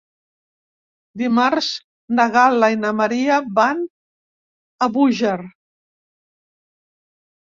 Dimarts na Gal·la i na Maria van a Búger.